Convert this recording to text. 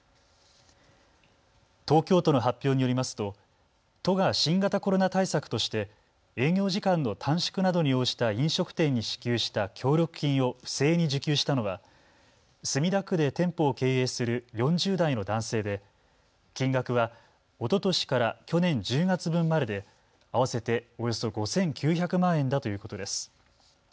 東京都の発表によりますと都が新型コロナ対策として営業時間の短縮などに応じた飲食店に支給した協力金を不正に受給したのは墨田区で店舗を経営する４０代の男性で金額はおととしから去年１０月分までで合わせておよそ５９００万円だということです。